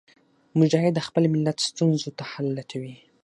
مجاهد د خپل ملت ستونزو ته حل لټوي.